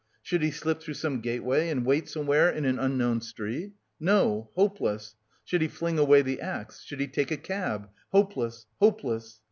"Should he slip through some gateway and wait somewhere in an unknown street? No, hopeless! Should he fling away the axe? Should he take a cab? Hopeless, hopeless!"